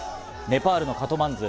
ネパールのカトマンズ。